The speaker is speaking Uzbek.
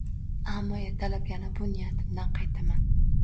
Ammo ertalab yana bu niyatimdan qaytaman